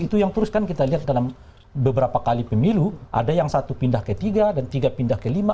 itu yang terus kan kita lihat dalam beberapa kali pemilu ada yang satu pindah ke tiga dan tiga pindah ke lima